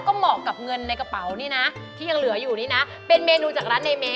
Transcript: กุ้งยักษ์แล้วก็จะพอเหรอเจ๊